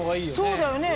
そうだよね。